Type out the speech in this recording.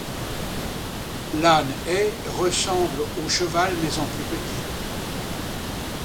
L'âne est ressemble au cheval mais en plus petit